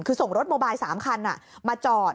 คือส่งรถโมบาย๓คันมาจอด